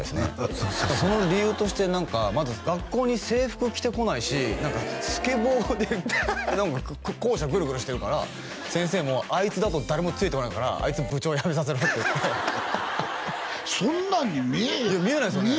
そうそうそうその理由として何かまず学校に制服着てこないしスケボーで校舎グルグルしてるから先生も「あいつだと誰もついてこないから」「あいつ部長辞めさせろ」ってそんなんに見えへん見えないですよね